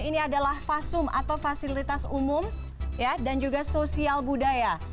ini adalah fasum atau fasilitas umum dan juga sosial budaya